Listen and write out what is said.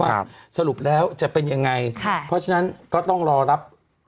สรุปแล้วจะเป็นยังไงค่ะเพราะฉะนั้นก็ต้องรอรับ